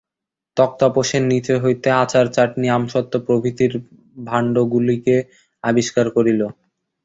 তক্তাপোশের নীচে হইতে আচার চাটনি আমসত্ত্ব প্রভৃতির ভাণ্ডগুলিকে আবিষ্কার করিল।